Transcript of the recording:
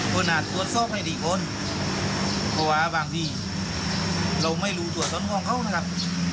คุณอาจควรฟอบให้ดีกว่าบางทีเราไม่รู้ตัวสร้างของเขานะครับ